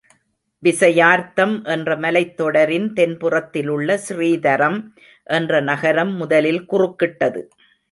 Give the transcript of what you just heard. விசயார்த்தம் என்ற மலைத்தொடரின் தென்புறத்திலுள்ள ஸ்ரீதரம் என்ற நகரம் முதலில் குறுக்கிட்டது.